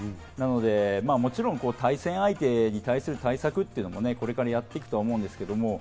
もちろん対戦相手に対する対策というのも、これからやっていくと思うんですけど。